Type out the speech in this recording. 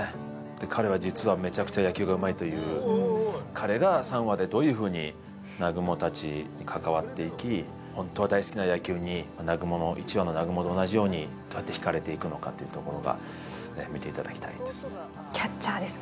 で彼は実はめちゃくちゃ野球がうまいという彼が３話でどういうふうに南雲たちに関わっていきホントは大好きな野球に１話の南雲と同じようにどうやってひかれていくのかっていうところが見ていただきたいです